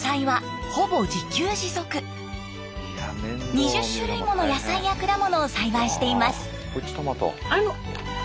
２０種類もの野菜や果物を栽培しています。